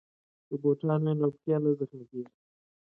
که بوټان وي نو پښې نه زخمي کیږي.